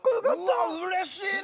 うわうれしいな。